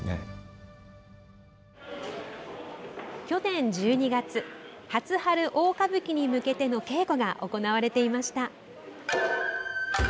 去年１２月初春大歌舞伎に向けての稽古が行われていました。